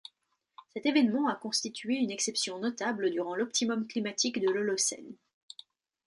Cet évènement a constitué une exception notable durant l'optimum climatique de l'Holocène.